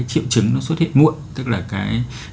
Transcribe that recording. triệu chứng nó xuất hiện muộn tức là cái